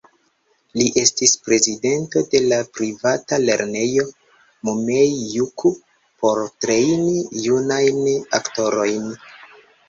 Li estis prezidento de la privata lernejo "Mumei-juku" por trejni junajn aktorojn.